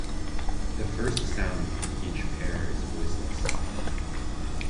The first sound in each pair is voiceless.